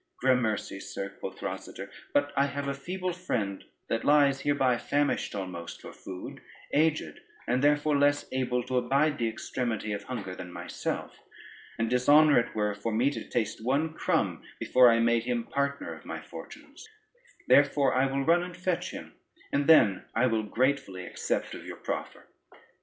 "Gramercy, sir," quoth Rosader, "but I have a feeble friend that lies hereby famished almost for food, aged and therefore less able to abide the extremity of hunger than myself, and dishonor it were for me to taste one crumb, before I made him partner of my fortunes: therefore I will run and fetch him, and then I will gratefully accept of your proffer."